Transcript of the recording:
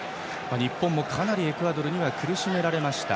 日本もかなりエクアドルには苦しめられました。